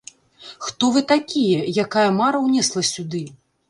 Хто вы такія, якая мара ўнесла сюды?